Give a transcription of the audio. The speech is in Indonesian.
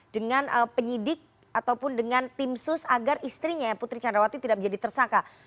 dengan penyidik ataupun dengan tim sus agar istrinya putri candrawati tidak menjadi tersangka